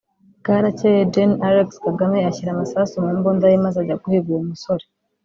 Bwarakeye Gen Alex Kagame ashyira amasasu mu mbunda ye maze ajya guhiga uwo musore